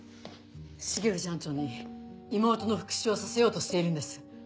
重藤班長に妹の復讐をさせようとしているんです。